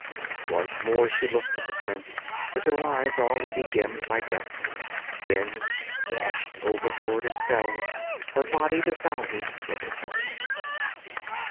Once more she looked at the prince, with her eyes already dimmed by death, then dashed overboard and fell, her body dissolving into foam.